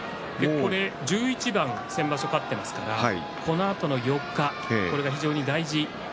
先場所１１番勝っていますからこのあと４日これが非常に大事。